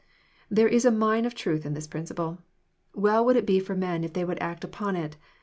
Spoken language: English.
There is a mine of truth in this principle. Well would it be for men if they would act upon it.